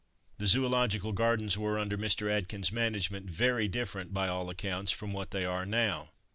The Zoological Gardens were, under Mr. Atkin's management, very different, by all accounts, from what they are now.